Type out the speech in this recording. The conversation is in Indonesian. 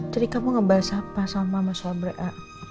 jadi kamu ngebahas apa sama mas wabrek a